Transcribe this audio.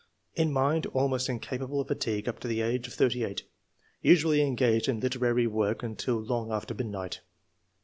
In mind — ^Almost incapable of fatigue up to the age of thirty eight. Usually engaged in literary work until long after midnight.